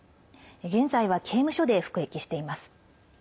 現在は、刑務所で服役しています。